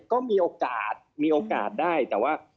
ก็มีโอกาสมีโอกาสได้แต่ว่า